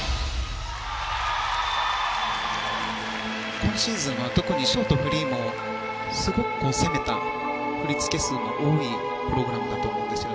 今シーズンは特にショート、フリーもすごく攻めた振り付け数の多いプログラムだと思うんです。